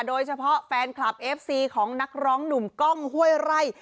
โดยเฉพาะแฟนคลับเอฟซีของนักร้องหนุ่มกล้องห้วยไร่